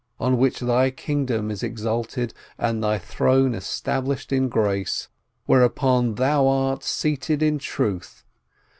On which Thy kingdom is exalted, And Thy throne established in grace; Whereupon Thou art seated in truth.